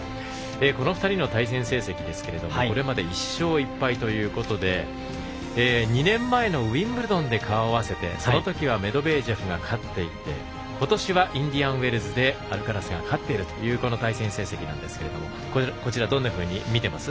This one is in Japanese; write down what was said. この２人の対戦成績ですがこれまで１勝１敗ということで２年前のウィンブルドンで顔を合わせてその時はメドベージェフが勝っていて今年はインディアンウェルズでアルカラスが勝っている対戦成績なんですけどこちらどんなふうに見ています？